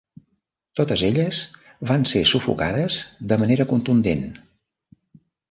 Totes elles van ser sufocades de manera contundent.